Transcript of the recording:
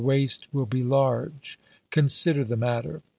waste will be large. Consider the matter.